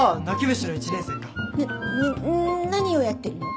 なな何をやってるの？